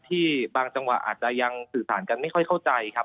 ที่บางจังหวะอาจจะยังสื่อสารกันไม่ค่อยเข้าใจครับ